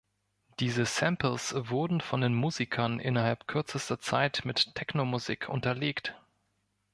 Diese Samples wurden von den Musikern innerhalb kürzester Zeit mit Techno-Musik unterlegt.